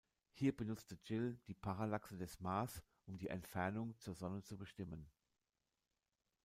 Hier benutzte Gill die Parallaxe des Mars, um die Entfernung zur Sonne zu bestimmen.